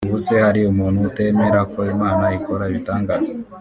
ubu se hari umuntu utemera ko Imana ikora ibitangaza